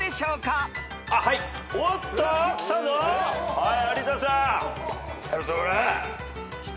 はい！